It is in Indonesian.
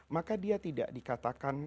maka dia tidak dikatakan